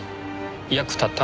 役立った？